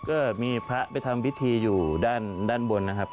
ก็มีพระไปทำพิธีอยู่ด้านบนนะครับ